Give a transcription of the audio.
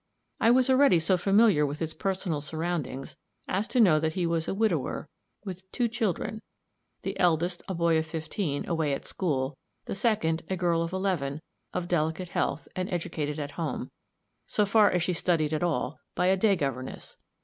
I was already so familiar with his personal surroundings, as to know that he was a widower, with two children; the eldest, a boy of fifteen, away at school; the second, a girl of eleven, of delicate health, and educated at home, so far as she studied at all, by a day governess.